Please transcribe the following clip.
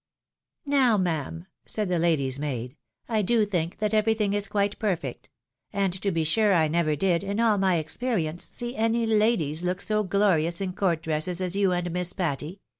" Now, ma'am," said the ladies' maid, " I do think that every thing is quite perfect. And, to be sure, I never did, in aU my experience, see any ladies look so glorious in coTirt dresses as you and Miss Patty.